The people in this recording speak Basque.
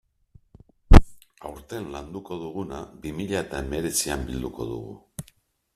Aurten landuko duguna bi mila eta hemeretzian bilduko dugu.